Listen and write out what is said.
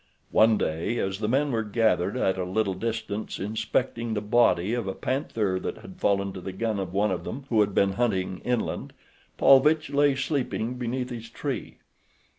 One day, as the men were gathered at a little distance inspecting the body of a panther that had fallen to the gun of one of them who had been hunting inland, Paulvitch lay sleeping beneath his tree.